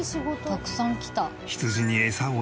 たくさん来た。